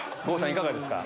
いかがですか？